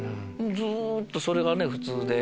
ずっとそれが普通で。